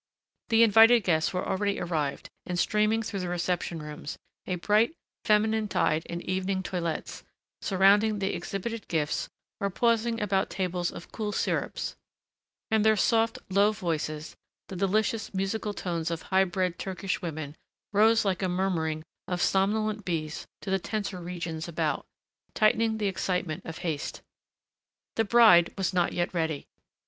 The invited guests were already arrived and streaming through the reception rooms, a bright, feminine tide in evening toilettes, surrounding the exhibited gifts or pausing about tables of cool syrups, and their soft, low voices, the delicious musical tones of highbred Turkish women, rose like a murmuring of somnolent bees to the tenser regions about, tightening the excitement of haste. The bride was not yet ready.